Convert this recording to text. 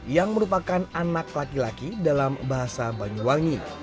yang merupakan anak laki laki dalam bahasa banyuwangi